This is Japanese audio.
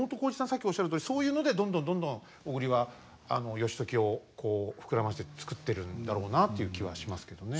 さっきおっしゃるとおりそういうのでどんどんどんどん小栗は義時を膨らまして作ってるんだろうなという気はしますけどね。